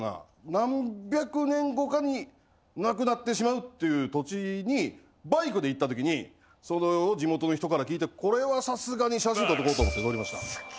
何百年後かに無くなってしまうっていう土地にバイクで行ったときにそれを地元の人から聞いてこれはさすがに写真撮っとこうと思って撮りました。